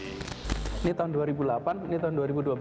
ini tahun dua ribu delapan ini tahun dua ribu dua belas